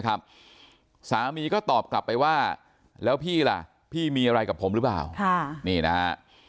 สามีก็ตอบกลับไปว่าแล้วพี่ล่ะพี่มีอะไรกับผมหรือเปล่านี่นะฮะ